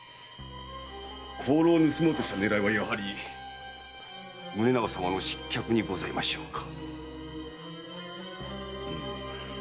香炉を盗もうとした狙いはやはり宗直様の失脚にございましょうか？